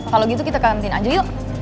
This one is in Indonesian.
kalau gitu kita kantin aja yuk